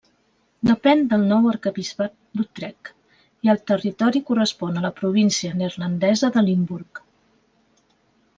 Depèn del nou arquebisbat d'Utrecht i el territori correspon a la província neerlandesa de Limburg.